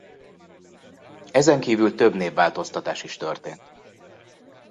Ezen kívül több névváltoztatás is történt.